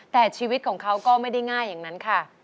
แต่ชีวิตของเขาก็ไม่ได้ง่ายอย่างนั้นค่ะ